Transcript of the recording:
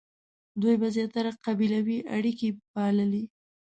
دوی به زیاتره قبیلوي اړیکې پاللې.